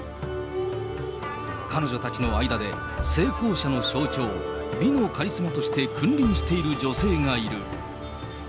彼女たちの間で成功者の象徴、美のカリスマとして君臨している女性がいる。